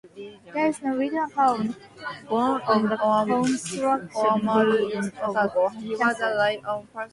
There is no written account of the construction date of the castle.